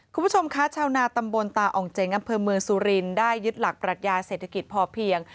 คุณผู้ชมคะชาวนาตำบลตาอ่องเจ๋งอำเภอเมืองสุรินได้ยึดหลักปรัชญาเศรษฐกิจพอเพียง